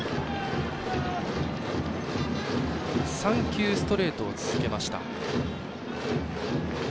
３球ストレートを続けました。